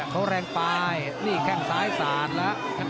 เขาแรงไปนี่แข้งซ้ายสาดแล้ว